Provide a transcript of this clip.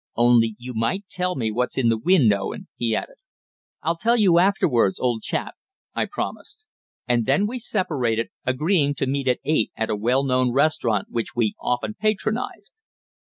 "Only you might tell me what's in the wind, Owen," he added. "I'll tell you afterwards, old chap," I promised. And then we separated, agreeing to meet at eight at a well known restaurant which we often patronized.